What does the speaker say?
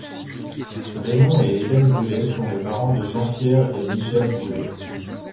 Raymond et Hélène Brulé sont les parents de Jean-Pierre et Michel Brulé.